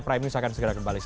prime news akan segera kembali